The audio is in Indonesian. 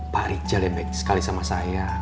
pak rijal yang baik sekali sama saya